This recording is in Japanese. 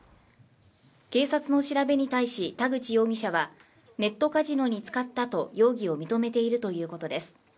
警察の調べに対し田口容疑者はネットカジノに使ったと容疑を認めているということです